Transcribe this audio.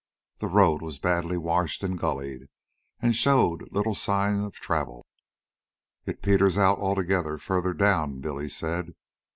The road was badly washed and gullied and showed little sign of travel. "It peters out altogether farther down," Billy said.